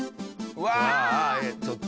うわーっ！